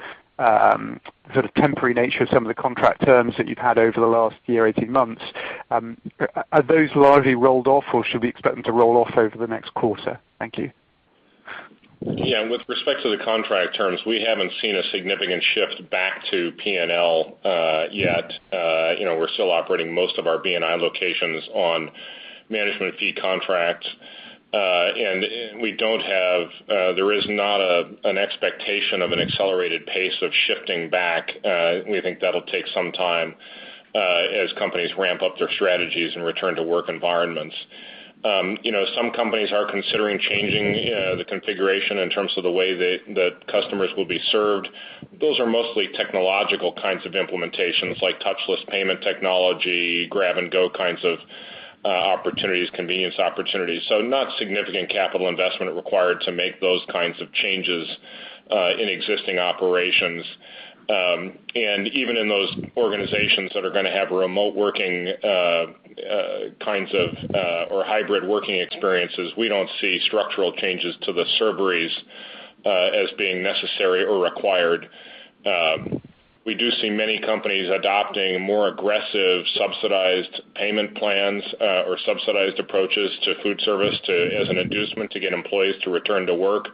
sort of temporary nature of some of the contract terms that you've had over the last year, 18 months. Are those largely rolled off, or should we expect them to roll off over the next quarter? Thank you. With respect to the contract terms, we haven't seen a significant shift back to P&L yet. We're still operating most of our B&I locations on management fee contracts. There is not an expectation of an accelerated pace of shifting back. We think that'll take some time, as companies ramp up their strategies and return to work environments. Some companies are considering changing the configuration in terms of the way that customers will be served. Those are mostly technological kinds of implementations, like touchless payment technology, grab-and-go kinds of opportunities, convenience opportunities. Not significant capital investment required to make those kinds of changes in existing operations. Even in those organizations that are going to have remote working kinds of, or hybrid working experiences, we don't see structural changes to the serveries as being necessary or required. We do see many companies adopting more aggressive subsidized payment plans, or subsidized approaches to food service as an inducement to get employees to return to work.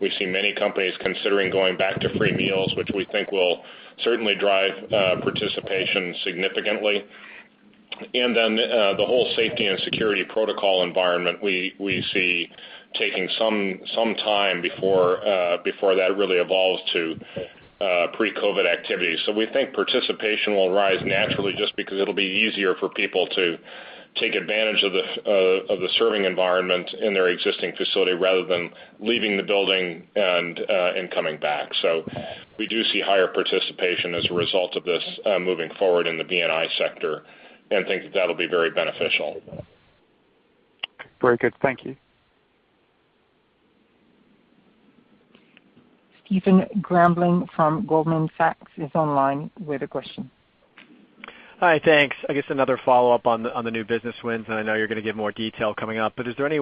We've seen many companies considering going back to free meals, which we think will certainly drive participation significantly. The whole safety and security protocol environment, we see taking some time before that really evolves to pre-COVID-19 activity. We think participation will rise naturally just because it'll be easier for people to take advantage of the serving environment in their existing facility rather than leaving the building and coming back. We do see higher participation as a result of this moving forward in the B&I sector and think that that'll be very beneficial. Very good. Thank you. Stephen Grambling from Goldman Sachs is online with a question. Hi, thanks. I guess another follow-up on the new business wins, and I know you're going to give more detail coming up, but is there any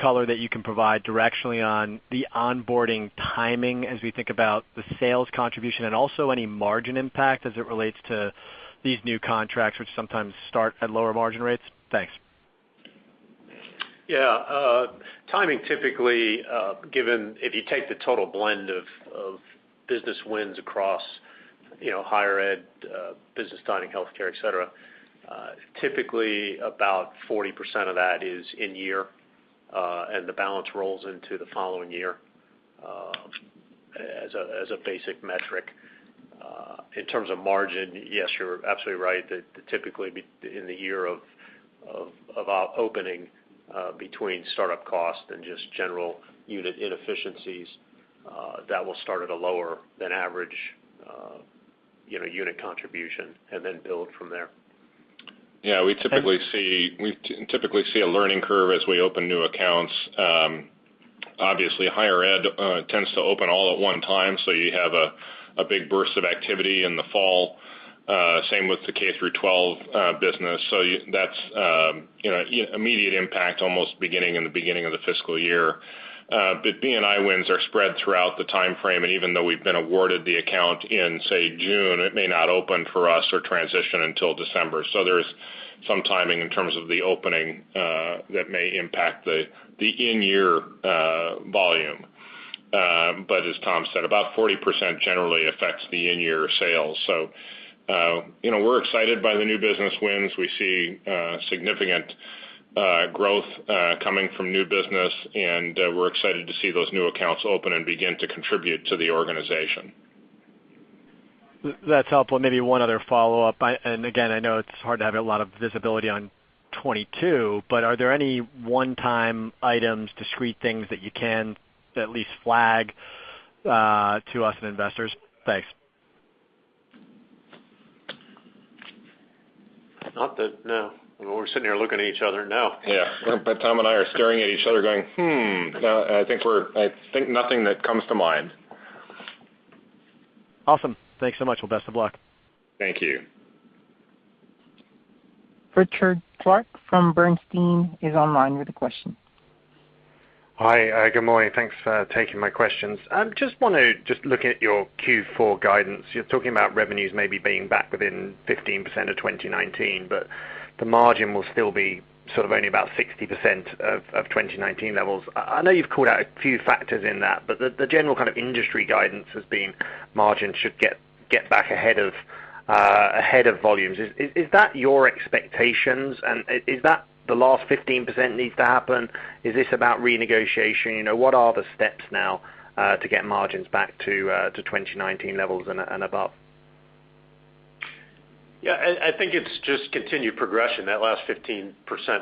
color that you can provide directionally on the onboarding timing as we think about the sales contribution and also any margin impact as it relates to these new contracts, which sometimes start at lower margin rates? Thanks. Yeah. Timing typically, given if you take the total blend of business wins across higher ed, business dining, healthcare, et cetera, typically about 40% of that is in year, and the balance rolls into the following year as a basic metric. In terms of margin, yes, you're absolutely right, that typically in the year of opening, between startup cost and just general unit inefficiencies, that will start at a lower than average unit contribution and then build from there. Yeah. We typically see a learning curve as we open new accounts. Obviously, higher ed tends to open all at one time, you have a big burst of activity in the fall. Same with the K through 12 business. That's immediate impact almost beginning in the beginning of the fiscal year. B&I wins are spread throughout the timeframe, and even though we've been awarded the account in, say, June, it may not open for us or transition until December. There's some timing in terms of the opening that may impact the in-year volume. As Tom said, about 40% generally affects the in-year sales. We're excited by the new business wins. We see significant growth coming from new business, and we're excited to see those new accounts open and begin to contribute to the organization. That's helpful. Maybe one other follow-up, and again, I know it's hard to have a lot of visibility on 2022, but are there any one-time items, discrete things that you can at least flag to us and investors? Thanks. No. We're sitting here looking at each other, no. Yeah. Tom and I are staring at each other going, "Hmm." I think nothing that comes to mind. Awesome. Thanks so much. Well, best of luck. Thank you. Richard Clarke from Bernstein is online with a question. Hi, good morning. Thanks for taking my questions. I want to just look at your Q4 guidance. You're talking about revenues maybe being back within 15% of 2019, but the margin will still be sort of only about 60% of 2019 levels. I know you've called out a few factors in that, the general kind of industry guidance has been margins should get back ahead of volumes. Is that your expectations, is that the last 15% needs to happen? Is this about renegotiation? What are the steps now to get margins back to 2019 levels and above? I think it's just continued progression. That last 15%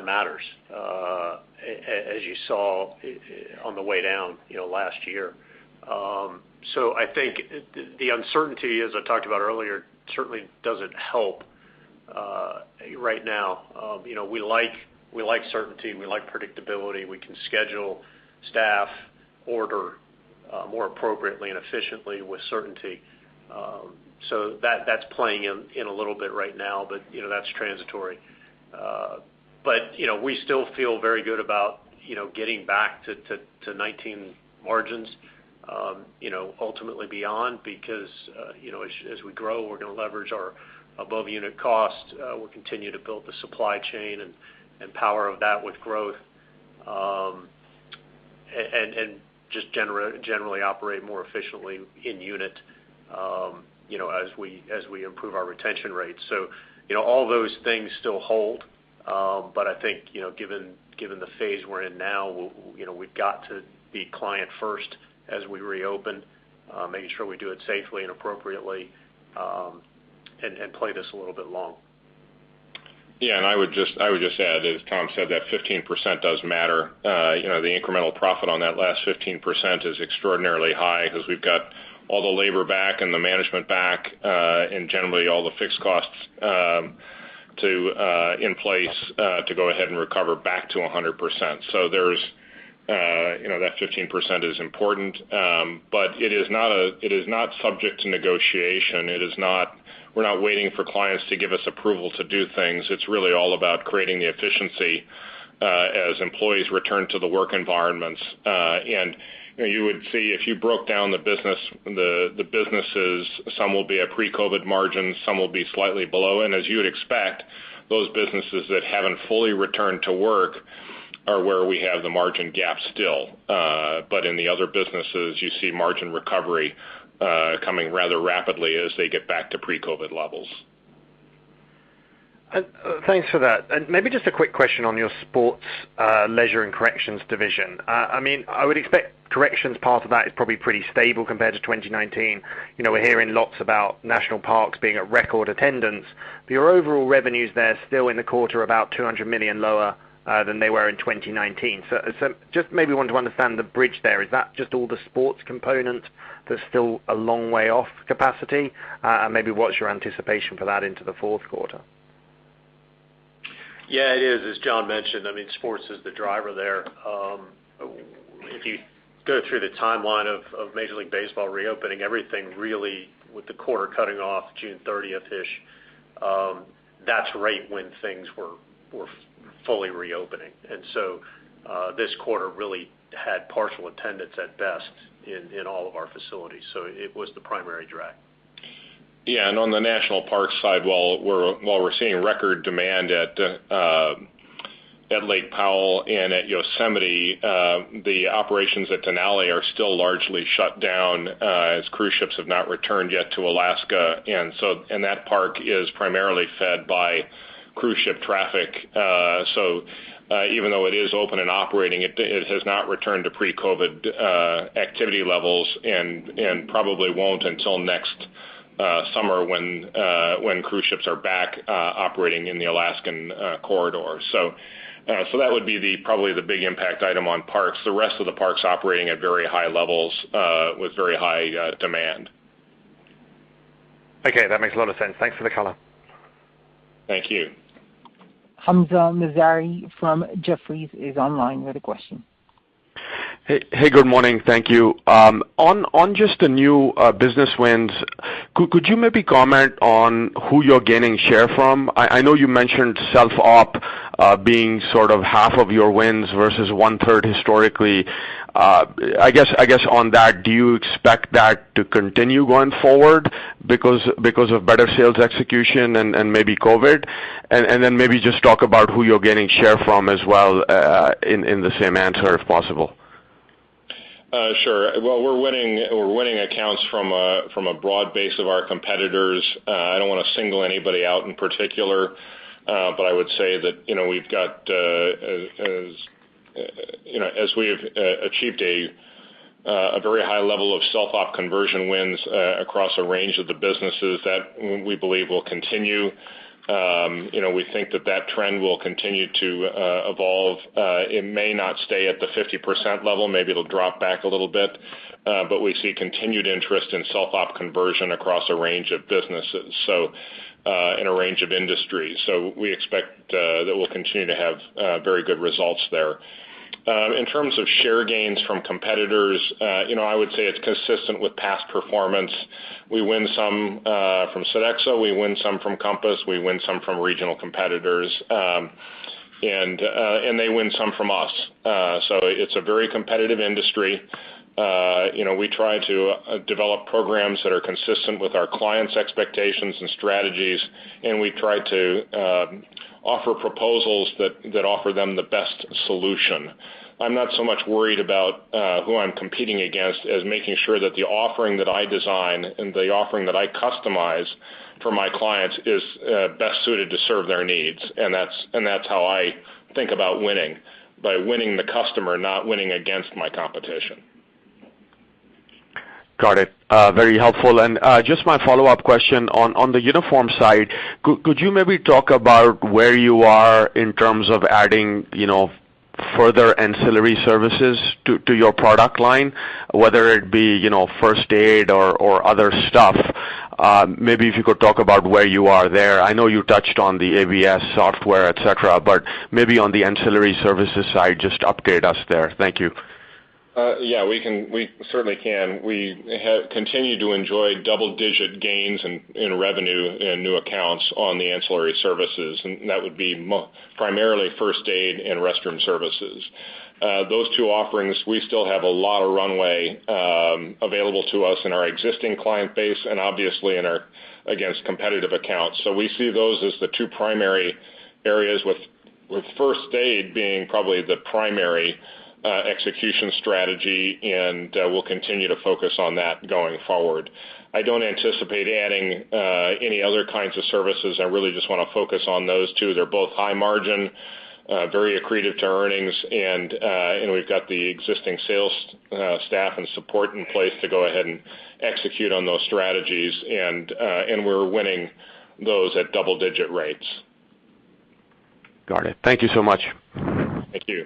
matters, as you saw on the way down last year. I think the uncertainty, as I talked about earlier, certainly doesn't help right now. We like certainty. We like predictability. We can schedule staff, order more appropriately and efficiently with certainty. That's playing in a little bit right now, but that's transitory. We still feel very good about getting back to '19 margins, ultimately beyond, because as we grow, we're going to leverage our above-unit cost. We'll continue to build the supply chain and power of that with growth, and just generally operate more efficiently in unit as we improve our retention rates. All those things still hold. I think, given the phase we're in now, we've got to be client first as we reopen, making sure we do it safely and appropriately, and play this a little bit long. Yeah, I would just add, as Tom said, that 15% does matter. The incremental profit on that last 15% is extraordinarily high because we've got all the labor back and the management back, and generally all the fixed costs in place to go ahead and recover back to 100%. That 15% is important. It is not subject to negotiation. We're not waiting for clients to give us approval to do things. It's really all about creating the efficiency as employees return to the work environments. You would see if you broke down the businesses, some will be at pre-COVID margins, some will be slightly below. As you would expect, those businesses that haven't fully returned to work are where we have the margin gap still. In the other businesses, you see margin recovery coming rather rapidly as they get back to pre-COVID levels. Thanks for that. Maybe just a quick question on your sports, leisure, and corrections division. I would expect corrections part of that is probably pretty stable compared to 2019. We're hearing lots about national parks being at record attendance. Your overall revenues there still in the quarter, about $200 million lower than they were in 2019. Just maybe want to understand the bridge there. Is that just all the sports component that's still a long way off capacity? Maybe what's your anticipation for that into the fourth quarter? It is, as John mentioned. Sports is the driver there. You go through the timeline of Major League Baseball reopening everything really with the quarter cutting off June 30th-ish, that's right when things were fully reopening. This quarter really had partial attendance at best in all of our facilities. It was the primary drag. On the national park side, while we're seeing record demand at Lake Powell and at Yosemite, the operations at Denali are still largely shut down as cruise ships have not returned yet to Alaska. That park is primarily fed by cruise ship traffic. Even though it is open and operating, it has not returned to pre-COVID activity levels and probably won't until next summer when cruise ships are back operating in the Alaskan corridor. That would be probably the big impact item on parks. The rest of the parks operating at very high levels with very high demand. Okay. That makes a lot of sense. Thanks for the color. Thank you. Hamzah Mazari from Jefferies is online with a question. Hey, good morning. Thank you. On just the new business wins, could you maybe comment on who you're gaining share from? I know you mentioned self-op being sort of 1/2 of your wins versus 1/3 historically. I guess on that, do you expect that to continue going forward because of better sales execution and maybe COVID? Maybe just talk about who you're gaining share from as well in the same answer, if possible. Sure. Well, we're winning accounts from a broad base of our competitors. I don't want to single anybody out in particular. I would say that as we've achieved a very high level of self-op conversion wins across a range of the businesses, that we believe will continue. We think that that trend will continue to evolve. It may not stay at the 50% level. Maybe it'll drop back a little bit. We see continued interest in self-op conversion across a range of businesses, so in a range of industries. We expect that we'll continue to have very good results there. In terms of share gains from competitors, I would say it's consistent with past performance. We win some from Sodexo, we win some from Compass, we win some from regional competitors, and they win some from us. It's a very competitive industry. We try to develop programs that are consistent with our clients' expectations and strategies, and we try to offer proposals that offer them the best solution. I'm not so much worried about who I'm competing against as making sure that the offering that I design and the offering that I customize for my clients is best suited to serve their needs. That's how I think about winning, by winning the customer, not winning against my competition. Got it. Very helpful. Just my follow-up question, on the uniform side, could you maybe talk about where you are in terms of adding further ancillary services to your product line, whether it be first aid or other stuff? Maybe if you could talk about where you are there. I know you touched on the ABS software, et cetera, maybe on the ancillary services side, just update us there. Thank you. Yeah, we certainly can. We continue to enjoy double-digit gains in revenue and new accounts on the ancillary services, and that would be primarily first aid and restroom services. Those two offerings, we still have a lot of runway available to us in our existing client base and obviously against competitive accounts. We see those as the two primary areas, with first aid being probably the primary execution strategy, and we'll continue to focus on that going forward. I don't anticipate adding any other kinds of services. I really just want to focus on those two. They're both high margin, very accretive to earnings, and we've got the existing sales staff and support in place to go ahead and execute on those strategies. We're winning those at double-digit rates. Got it. Thank you so much. Thank you.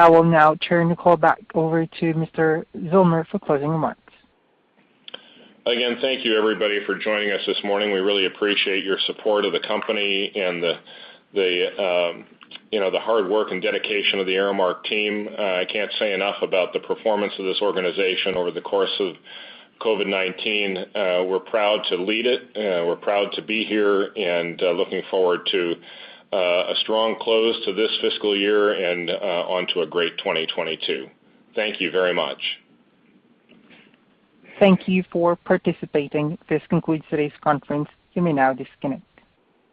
I will now turn the call back over to Mr. Zillmer for closing remarks. Again, thank you everybody for joining us this morning. We really appreciate your support of the company and the hard work and dedication of the Aramark team. I can't say enough about the performance of this organization over the course of COVID-19. We're proud to lead it. We're proud to be here and looking forward to a strong close to this fiscal year and onto a great 2022. Thank you very much. Thank you for participating. This concludes today's conference. You may now disconnect.